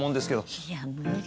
いや無理。